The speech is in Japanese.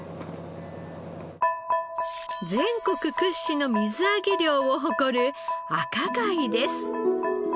全国屈指の水揚げ量を誇る赤貝です。